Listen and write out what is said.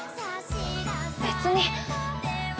別に。